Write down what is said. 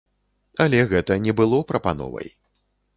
Але гэта не было прапановай.